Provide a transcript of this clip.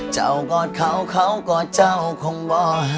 เจ้ากอดเขาเขากอดเจ้าของบ่